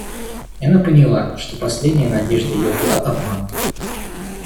И она поняла, что последняя надежда ее была обманута.